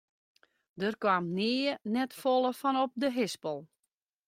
Dêr kaam nea net folle fan op de hispel.